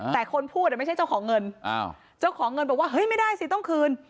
แต่คนพูดไม่ใช่เจ้าของเงินเจ้าของเงินบอกว่าเฮ้ยไม่ได้สิต้องคืน